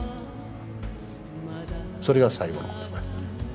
それが最後の言葉やった。